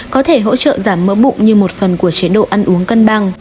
có thể hỗ trợ giảm mỡ bụng như một phần của chế độ ăn uống cân bằng